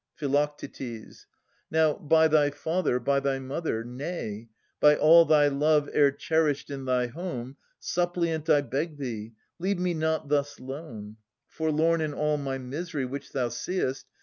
Phi. Now, by thy father, by thy mother, — nay. By all thy love e'er cherished in thy home. Suppliant I beg thee, leave me not thus lone. Forlorn in all my misery which thou seest.